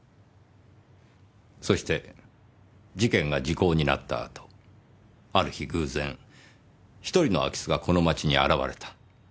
そして事件が時効になった後ある日偶然１人の空き巣がこの町に現れた。